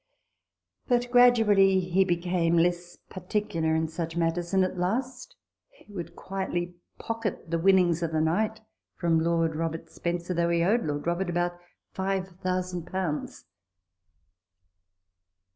But gradually he became less particular in such matters ; and at last he would quietly pocket the winnings of the night from Lord Robert Spencer, though he owed Lord Robert about five thousand pounds.